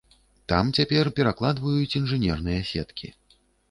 Там цяпер перакладваюць інжынерныя сеткі.